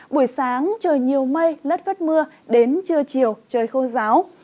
buổi sáng trời nhiều mây lất vất mưa đến trưa chiều trời khô giáo